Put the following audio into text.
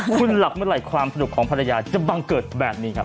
คุณหลับเมื่อไหร่ความสนุกของภรรยาจะบังเกิดแบบนี้ครับ